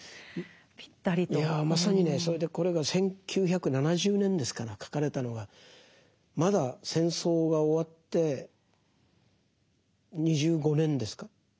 それでこれが１９７０年ですから書かれたのがまだ戦争が終わって２５年ですか。